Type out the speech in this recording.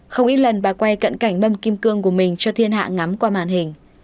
không ít lần bà quay cận cảnh mâm kim cương của mình cho thiên hạ ngắm qua màn hình